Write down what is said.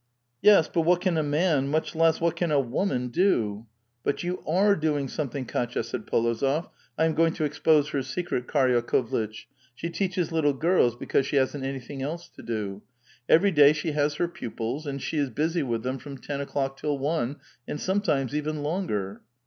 ^^ Tes, but what can a man, much less, what can a woman, do?" "But 30U are doing something, Kdtya," said P61()zof. —*' I am going to expose her secret, Karl Yakovlitch. She teaches little girls because she hasn't anything else to do. Every day she has her pupils, and she is busy with them from ten o'clock till one, and sometimes even longer."